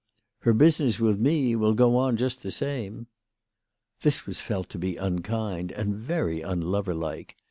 "" Her business with me will go on just the same." This was felt to be unkind and very unloverlike.